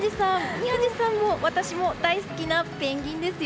宮司さんも私も大好きなペンギンですよ！